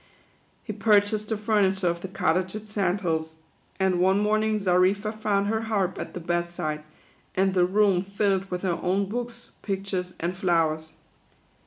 He purchased the furniture of the Cottage at Sand Hills, and one morning Xarifa found her harp at the bed side, and the room filled with her own books, pictures, and flowers.